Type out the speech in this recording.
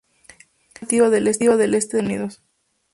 Es nativa del este de los Estados Unidos.